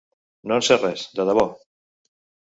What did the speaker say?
No en sé res, de debò.